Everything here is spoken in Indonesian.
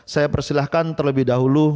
saya persilahkan terlebih dahulu